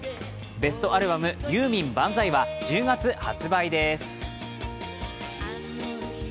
ベストアルバム「ユーミン万歳！」は１０月発売です。